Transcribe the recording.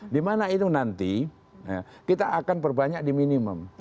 di mana itu nanti kita akan berbanyak di minimum